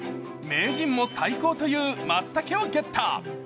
名人も最高というまつたけをゲット！